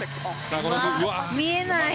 見えない。